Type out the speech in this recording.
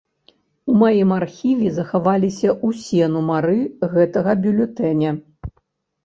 У маім архіве захаваліся ўсе нумары гэтага бюлетэня.